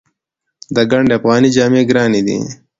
د ګنډ افغاني جامې ګرانې دي؟